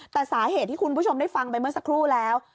แต่สาเหตุที่คุณผู้ชมได้ฟังไปเมื่อสักครู่แล้ว